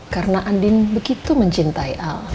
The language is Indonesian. karena andin begitu mencintai al